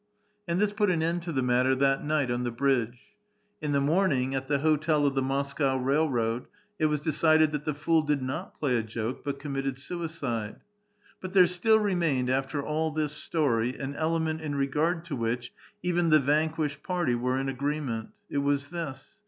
And this put an end to the matter that night on the bridge; In the morning, at the hotel of the Moscow railroad, it was decided that the fool did not play a joke, but c*ommitted suicide. But there still remained, after all this story, an element in regard to which even the vanquished party were in agree ment. It was this.